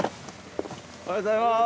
おはようございます！